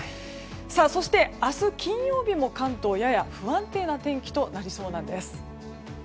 そして、明日金曜日も関東、やや不安定な天気となりそうなんです。